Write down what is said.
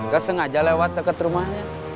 gak sengaja lewat deket rumahnya